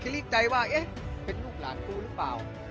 รีบใจว่าเอ๊ะเป็นลูกหลานกูหรือเปล่า